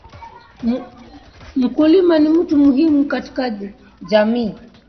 Mkulima ni mtu muhimu katika Jamii